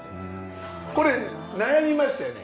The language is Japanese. これ悩みましたよね。